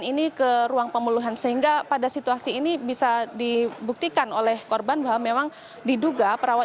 ini yang seharusnya